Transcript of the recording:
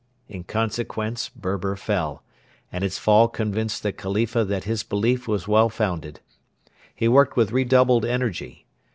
In consequence Berber fell, and its fall convinced the Khalifa that his belief was well founded. He worked with redoubled energy.